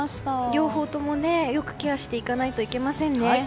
両方ともよくケアしていかないといけませんね。